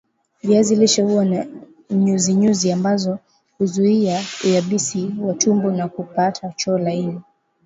viazi lishe huwa na nyuzinyuzi ambazo huzuia uyabisi wa tumbo na kupata choo laini